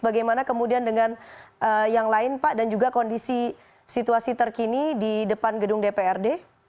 bagaimana kemudian dengan yang lain pak dan juga kondisi situasi terkini di depan gedung dprd